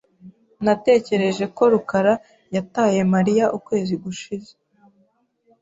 Natekereje ko rukara yataye Mariya ukwezi gushize .